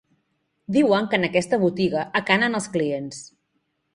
Diuen que en aquesta botiga acanen els clients.